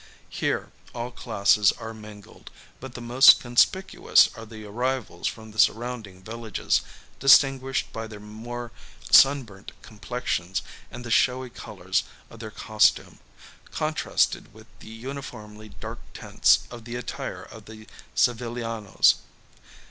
Here all classes are mingled; but the most conspicuous are the arrivals from the surrounding villages, distinguished by their more sunburnt complexions and the showy colours of their costume, contrasted with the uniformly dark tints of the attire of the Sevillanos.